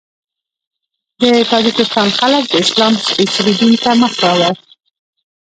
د تاجکستان خلک د اسلام سپېڅلي دین ته مخ راوړ.